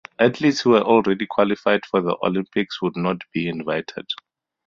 Athletes who were already qualified for the Olympics would not be invited.